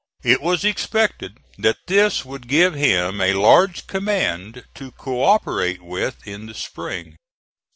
It was expected that this would give him a large command to co operate with in the spring.